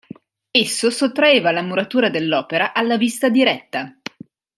Esso sottraeva la muratura dell'opera alla vista diretta.